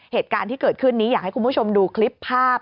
เหตุการณ์ที่เกิดขึ้นนี้อยากให้คุณผู้ชมดูคลิปภาพ